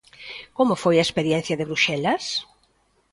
Como foi a experiencia de Bruxelas?